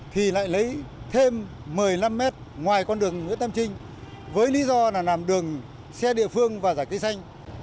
thì lại lấy thêm một mươi năm mét ngoài con đường nguyễn tâm trinh với lý do là làm đường xe địa phương và giải cây xanh